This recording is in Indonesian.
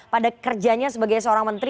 pada kerjanya sebagai seorang menteri